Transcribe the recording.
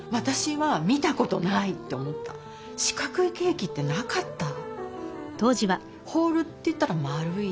四角いケーキってなかったの。